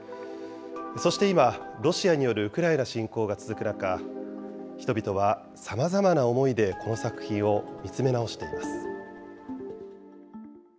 そして今、ロシアによるウクライナ侵攻が続く中、人々はさまざまな思いでこの作品を見つめ直しています。